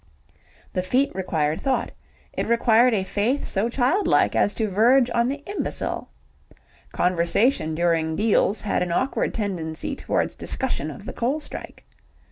The feat required thought: it required a faith so childlike as to verge on the imbecile. Conversation during deals had an awkward tendency towards discussion of the coal strike.